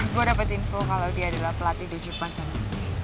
gue dapat info kalau dia adalah pelatih dojepan sementara